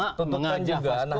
tentukan juga nah untuk bersabar